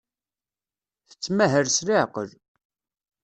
Tettmahal s leɛqel.